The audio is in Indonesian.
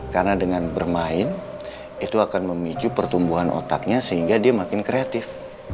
karena dengan bermain itu akan memicu pertumbuhan otaknya sehingga dia makin kreatif